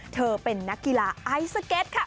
เธอเป็นนักกีฬาไอสเก็ตค่ะ